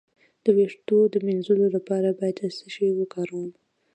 د ویښتو د مینځلو لپاره باید څه شی وکاروم؟